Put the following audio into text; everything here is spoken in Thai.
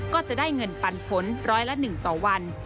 ก็จะได้เงินปันผลร้อยละ๑ต่อวัน